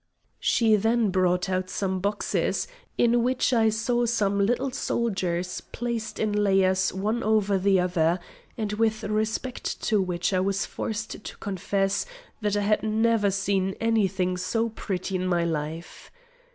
She then brought out some boxes, in which I saw some little soldiers placed in layers one over the other, and with respect to which I was forced to confess that I had never seen any thing so pretty in my life.